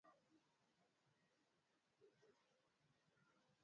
Yai moja litahitajika kwenye mchanganyiko wako